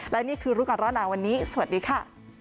และนี่คือรู้ก่อนร้อนหนาวันนี้สวัสดีค่ะ